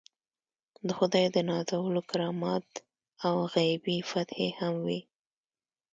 د خدای د نازولو کرامات او غیبي فتحې هم وي.